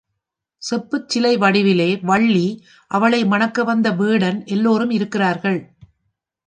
செப்புச்சிலை வடிவிலே வள்ளி, அவளை மணக்கவந்த வேடன் எல்லோரும் இருக்கிறார்கள்.